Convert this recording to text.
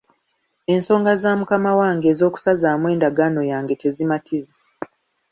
Ensonga za mukama wange ez'okusazaamu endagaano yange tezimatiza.